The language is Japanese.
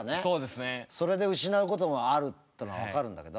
それで失うこともあるっての分かるんだけど。